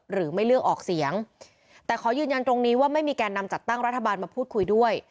หรือไม่เลือกออกเสียงแต่ขอยืนยันตรงนี้ว่าไม่มีแก่นำจัดตั้งรัฐบาลมาพูดคุยด้วย